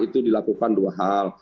itu dilakukan dua hal